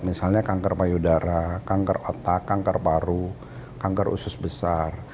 misalnya kanker payudara kanker otak kanker paru kanker usus besar